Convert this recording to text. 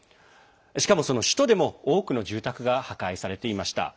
しかも、その首都でも多くの住宅が破壊されていました。